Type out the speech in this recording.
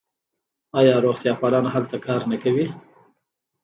آیا روغتیاپالان هلته کار نه کوي؟